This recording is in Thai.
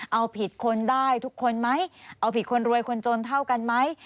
เอาผิดคนได้ทุกคนไหมเอาผิดคนรวยคนจนเท่ากันไหม